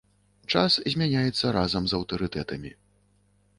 Час змяняецца разам з аўтарытэтамі.